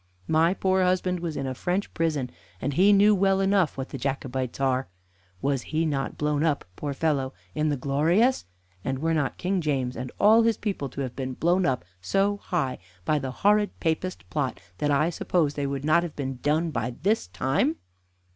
My poor husband was in a French prison, and he knew well enough what the Jacobites are. Was he not blown up, poor fellow, in the 'Glorious?' and were not King James and all his people to have been blown up so high by the horrid Papist plot that I suppose they would not have been down by this time?